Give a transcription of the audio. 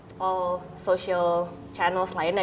dan tanpa mengurangi social channel lainnya